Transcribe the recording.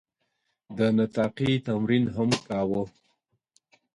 د نطاقي تمرین هم کاوه.